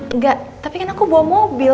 enggak tapi kan aku bawa mobil